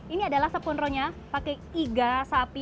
ini adalah sopkondro nya pakai iga sapi